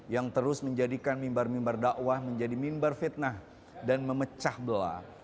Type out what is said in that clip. yang terus menjadikan mimbar mimbar dakwah menjadi mimbar fitnah dan memecah belah